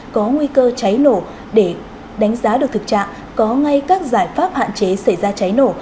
có nguy cơ cháy nổ để đánh giá được thực trạng có ngay các giải pháp hạn chế xảy ra cháy nổ